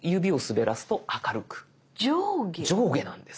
上下なんです。